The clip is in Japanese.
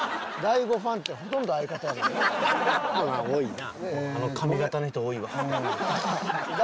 まあ多いな。